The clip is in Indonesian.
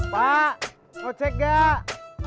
pak mau cek nggak